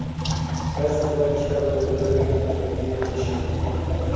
داسې هېواد چې هر وګړی پکې خوشحاله وي.